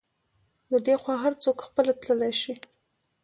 له دې خوا هر څوک خپله تللی شي.